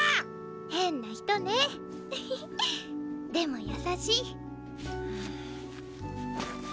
変な人ねフフでも優しい。